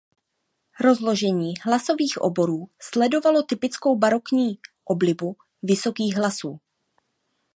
Rozložení hlasových oborů sledovalo typickou barokní oblibu vysokých hlasů.